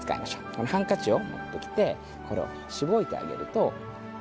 このハンカチを持ってきてこれをしごいてあげると。